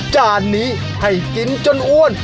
จานนี้ให้กินจนอ้วน